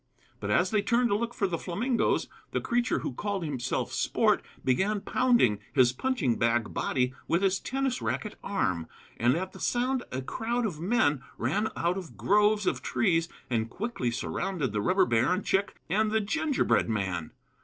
But as they turned to look for the flamingoes, the creature who called himself Sport began pounding his punching bag body with his tennis racket arm, and at the sound a crowd of men ran out of groves of trees and quickly surrounded the rubber bear and Chick and the gingerbread man.